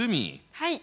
はい。